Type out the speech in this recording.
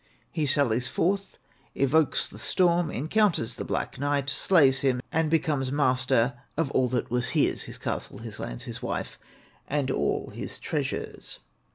He sallies forth, evokes the storm, encounters the black knight, slays him, and becomes master of all that was his his castle, his lands, his wife, and all his treasures.